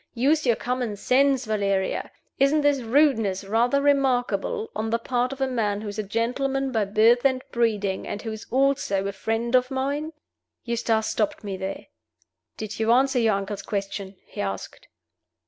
Use your common sense, Valeria. Isn't this rudeness rather remarkable on the part of a man who is a gentleman by birth and breeding, and who is also a friend of mine?'" Eustace stopped me there. "Did you answer your uncle's question?" he asked.